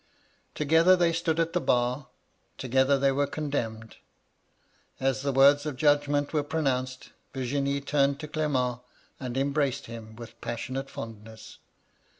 " Together they stood at the bar ; together they were condenmed. As the words of judgment were pro nounced, Virginie turned to Clement, and embraced him with passionate fondness.